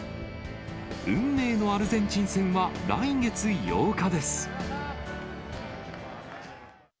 運命のアルゼンチン戦は、来月８日です。